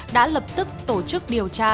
đã lập tức tổ chức điều tra